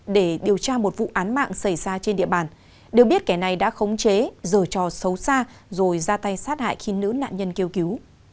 để điều tra một vụ án mạng xảy ra trên địa bàn được biết kẻ này đã khống chế rồi trò xấu xa rồi ra tay sát hại khi nữ nạn nhân kêu cứu